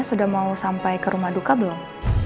sudah mau sampai ke rumah duka belum